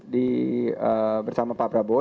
di bersama pak prabowo